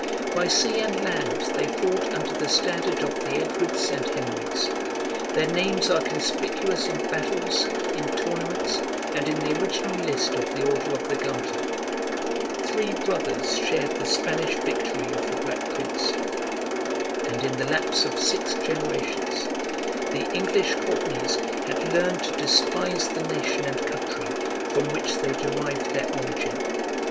By sea and land they fought under the standard of the Edwards and Henries: their names are conspicuous in battles, in tournaments, and in the original list of the Order of the Garter; three brothers shared the Spanish victory of the Black Prince; and in the lapse of six generations, the English Courtenays had learned to despise the nation and country from which they derived their origin.